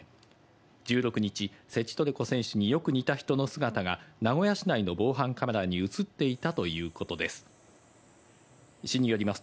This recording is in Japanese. １６日、セチトレコ選手によく似た人の姿が名古屋市内の防犯カメラに写っていたということです。